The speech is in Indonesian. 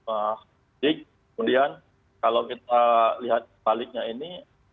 kemudian kalau kita lihat baliknya ini